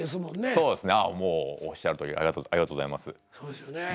そうですね。